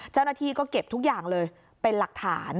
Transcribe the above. เจ้าหน้าที่ก็เก็บทุกอย่างเลยเป็นหลักฐาน